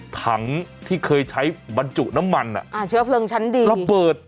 ถังที่เคยใช้บรรจุน้ำมันอ่ะอ่าเชื้อเพลิงชั้นดีระเบิด